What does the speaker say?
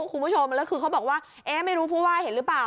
คุณผู้ชมแล้วคือเขาบอกว่าเอ๊ะไม่รู้ผู้ว่าเห็นหรือเปล่า